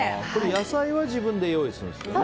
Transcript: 野菜は自分で用意するんですよね。